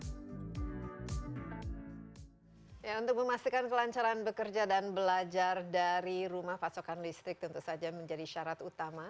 ya untuk memastikan kelancaran bekerja dan belajar dari rumah pasokan listrik tentu saja menjadi syarat utama